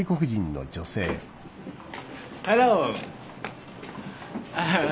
ハロー。